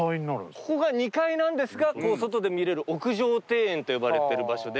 ここが２階なんですが外で見れる屋上庭園と呼ばれてる場所で。